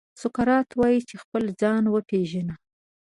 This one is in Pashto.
سقراط وايي چې خپل ځان وپېژنه.